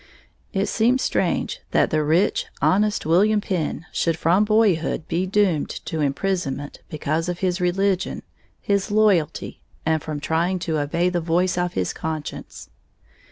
It seems strange that the rich, honest William Penn should from boyhood be doomed to imprisonment because of his religion, his loyalty, and from trying to obey the voice of his conscience.